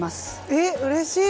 えっうれしい！